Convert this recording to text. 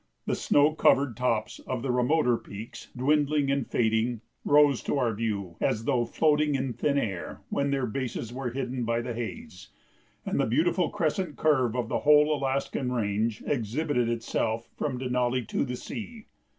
The snow covered tops of the remoter peaks, dwindling and fading, rose to our view as though floating in thin air when their bases were hidden by the haze, and the beautiful crescent curve of the whole Alaskan range exhibited itself from Denali to the sea.